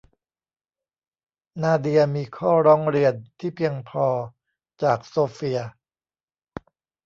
นาเดียมีข้อร้องเรียนที่เพียงพอจากโซเฟีย